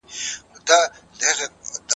ډېر شتمن دئ تل سمسوره او ښېراز دئ